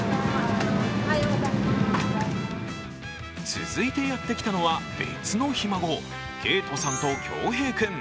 続いてやってきたのは別のひ孫、恵都さんと恭平君。